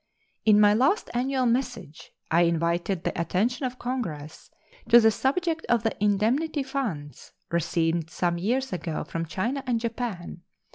In my last annual message I invited the attention of Congress to the subject of the indemnity funds received some years ago from China and Japan.